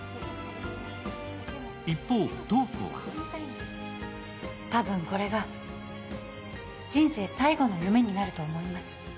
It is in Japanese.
一方、瞳子はたぶんこれが人生最後の夢になると思います。